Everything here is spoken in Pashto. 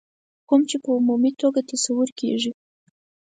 کوم چې په عمومي توګه تصور کېږي.